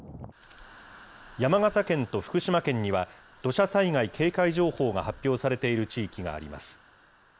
山形県と福島県には土砂災害警戒情報が発表されている地域があります。